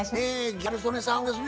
ギャル曽根さんはですね